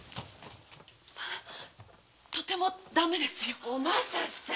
とても駄目ですよ。